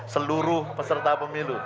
seluruh peserta pemilu